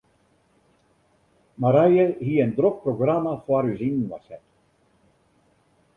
Marije hie in drok programma foar ús yninoar set.